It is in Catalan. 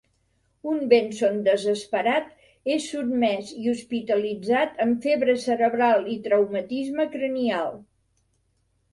Un Benson desesperat és sotmès i hospitalitzat amb "febre cerebral" i traumatisme cranial.